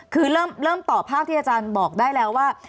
คือเริ่มต่อภาพที่อาจารย์บอกได้แล้วว่า